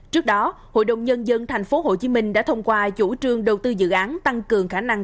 trước đó hội đồng nhân dân tp hcm đã thông qua chủ trương đầu tư dự án tăng cường khả năng